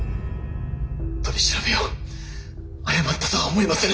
取り調べを誤ったとは思いませぬ。